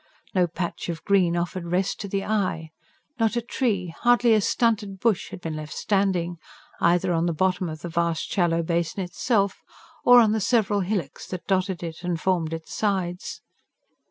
No patch of green offered rest to the eye; not a tree, hardly a stunted bush had been left standing, either on the bottom of the vast shallow basin itself, or on the several hillocks that dotted it and formed its sides.